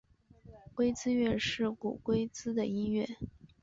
龟兹乐是古龟兹的音乐。